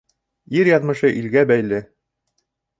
Ир яҙмышы илгә бәйле.